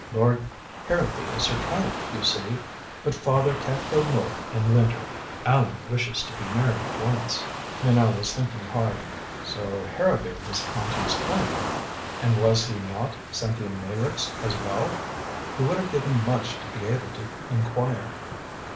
Cord Harrowby is her triumph, you see. But father can't go north in the winter Allan wishes to be married at once." Minot was thinking hard. So Harrowby was auntie's triumph? And was he not Cynthia Meyrick's as well? He would have given much to be able to inquire.